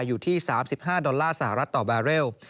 อยู่ที่๓๕ดอลลาสหรัฐต่อแบเรล